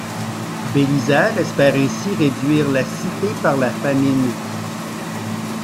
Bélisaire espère ainsi réduire la cité par la famine.